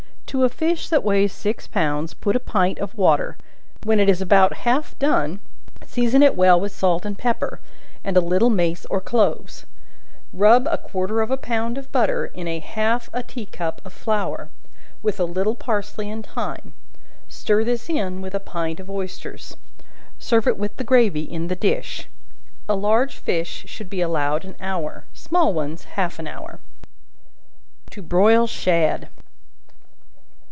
To a fish that weighs six pounds, put a pint of water; when it is about half done; season it well with salt and pepper, and a little mace or cloves; rub a quarter of a pound of butter in a half a tea cup of flour, with a little parsley and thyme; stir this in with a pint of oysters. Serve it with the gravy in the dish. A large fish should be allowed an hour, small ones half an hour. To Broil Shad.